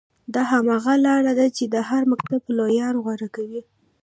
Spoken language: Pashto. دا هماغه لاره ده چې د هر مکتب پلویان غوره کوي.